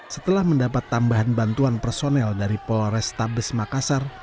setelah mendapat tambahan bantuan personel dari polores tabes makassar